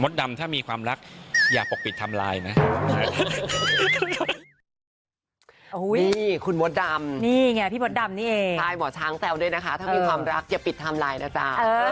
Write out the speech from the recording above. ดำถ้ามีความรักอย่าปกปิดทำลายนะ